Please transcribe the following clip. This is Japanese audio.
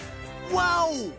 ワオ！